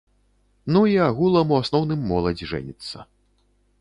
Ну і агулам у асноўным моладзь жэніцца.